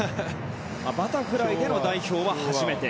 バタフライでの代表は初めて。